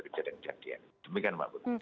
kejadian kejadian demikian mbak putri